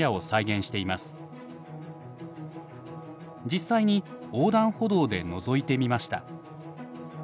実際に横断歩道でのぞいてみました。